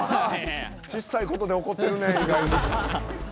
小さいことで怒ってるね。